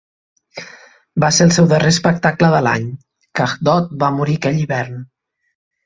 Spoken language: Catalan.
Va ser el seu darrer espectacle de l'any; Kahdot va morir aquell hivern.